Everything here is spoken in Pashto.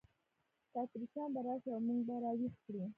نو اتریشیان به راشي او موږ به را ویښ کړي.